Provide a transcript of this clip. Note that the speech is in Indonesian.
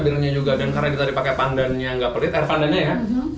bilangnya juga dan karena di tadi pakai pandannya nggak pelit air pandannya ya